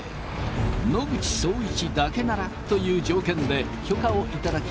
野口聡一だけならという条件で許可を頂きました。